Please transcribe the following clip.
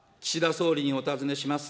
総理にお尋ねします。